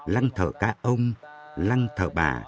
lăng thở ca ông lăng thở bà